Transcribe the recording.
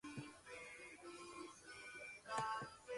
Además de integrar la popular banda, ha colaborado en diversos proyectos.